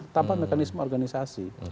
tanpa mekanisme organisasi